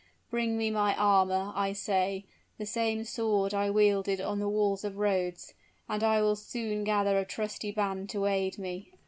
Bring me my armor, I say the same sword I wielded on the walls of Rhodes and I will soon gather a trusty band to aid me!"